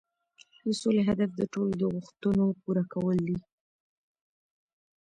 د سولې هدف د ټولو د غوښتنو پوره کول دي.